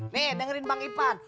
nih dengerin bang ipan